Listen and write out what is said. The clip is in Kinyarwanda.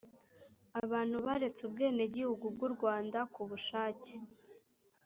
abantu baretse ubwenegihugu bw u rwanda ku bushake